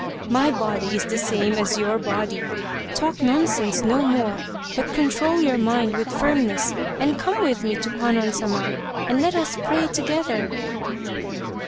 " My body is the same as your body. Talk nonsense no more, but control your mind with firmness and come with me to Kwannon Sama and let us pray together."